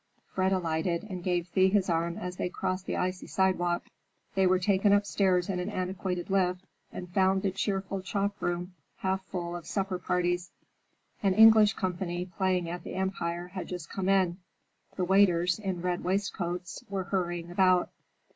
Fred alighted and gave Thea his arm as they crossed the icy sidewalk. They were taken upstairs in an antiquated lift and found the cheerful chop room half full of supper parties. An English company playing at the Empire had just come in. The waiters, in red waistcoats, were hurrying about.